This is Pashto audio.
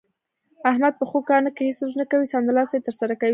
احمد په ښو کارونو کې هېڅ سوچ نه کوي، سمدلاسه یې ترسره کوي.